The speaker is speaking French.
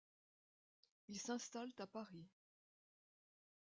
Ils s'installent à Paris.